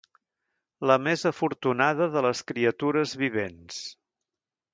La més afortunada de les criatures vivents